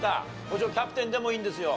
もちろんキャプテンでもいいんですよ。